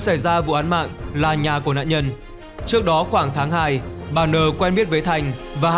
xảy ra vụ án mạng là nhà của nạn nhân trước đó khoảng tháng hai bà n quen biết với thành và hà